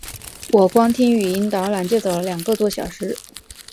我光听语音导览就走了两个多小时